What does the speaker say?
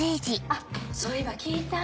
あっそういえば聞いた？